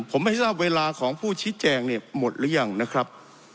ผมไม่ทราบเวลาของผู้ชี้แจงเนี่ยหมดหรือยังนะครับ